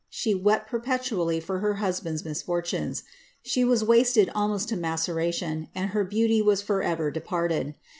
She wept perpetually for her husband's misfortunes ; she was wasted almost to maceration, and her beauty was for ever departed.